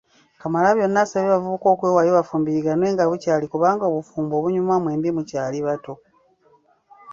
Kamalabyonna asabye abavubuka okwewaayo bafumbiriganwe nga bukyali kubanga obufumbo bunyuma mwembi mukyali bato.